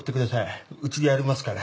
うちでやりますから」